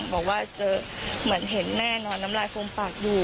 บอกว่าจะเหมือนเห็นแม่นอนน้ำลายฟมปากอยู่